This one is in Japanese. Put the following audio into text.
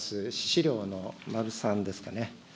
資料の丸３ですかね。